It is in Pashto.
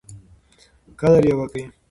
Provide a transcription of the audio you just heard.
قدر یې وکړئ.